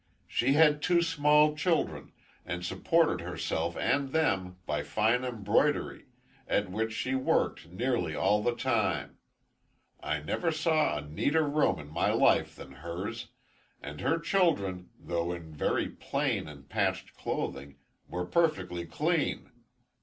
She had two small children, and supported herself and them by fine embroidery, at which she worked nearly all the time. I never saw a neater room in my life than hers, and her children, though in very plain and patched clothing, were perfectly clean.